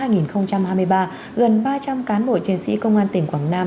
gần ba trăm linh cán bộ chiến sĩ công an tỉnh quảng nam